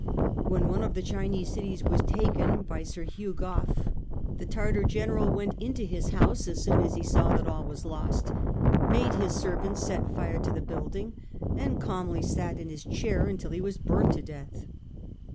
When one of the Chinese cities was taken by Sir Hugh G ough, the Tartar general went into his house as soon as he saw that all was lost, made his servants set fire to the building, and calmly sat in his chair until he was burned to death.